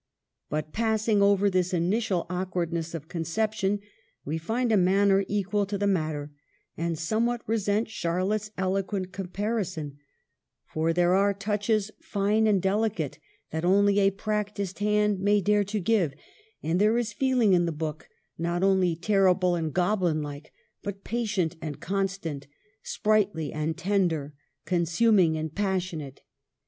But, passing over this initial awkwardness of conception, we find a manner equal to the matter and somewhat resent Char lotte's eloquent comparison ; for there are touches, 228 EMILY BRONTE. fine and delicate, that only a practised hand may dare to give, and there is feeling in the book, not only " terrible and goblin like," but patient and constant, sprightly and tender, consuming and passionate.